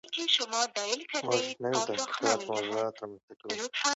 موږ نوي تحقیقاتي موضوعات رامنځته کوو.